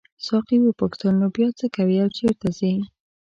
ساقي وپوښتل نو بیا څه کوې او چیرته ځې.